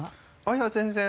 いや全然。